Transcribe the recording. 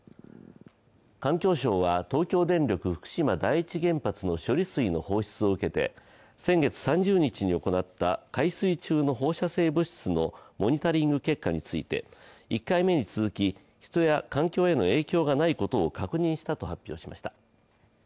環境省は東京電力福島第一原発の処理水の放出を受けて先月３０日に行った海水中の放射性物質のモニタリング結果について１回目に続き人や環境への影響がないことを確認したと発表しました。